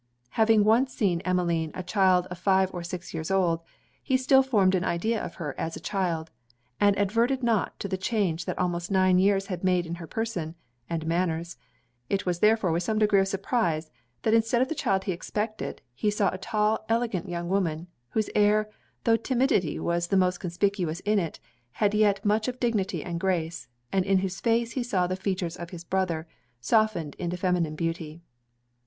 Having once seen Emmeline a child of five or six years old; he still formed an idea of her as a child; and adverted not to the change that almost nine years had made in her person and manners; it was therefore with some degree of surprize, that instead of the child he expected, he saw a tall, elegant young woman, whose air, though timidity was the most conspicuous in it, had yet much of dignity and grace, and in whose face he saw the features of his brother, softened into feminine beauty.